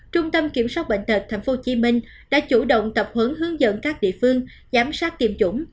trung tâm kiểm soát bệnh tật tp hcm đã chủ động tập hướng hướng dẫn các địa phương giám sát tiêm chủng